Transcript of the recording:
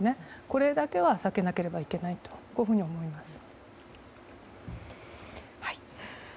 これだけは避けなければいけないとこういうふうに思います。